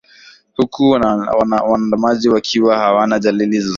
huku waandamanaji wakiwa hawana jalili zozote